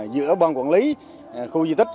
giữa ban quản lý khu di tích